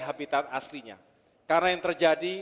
habitat aslinya karena yang terjadi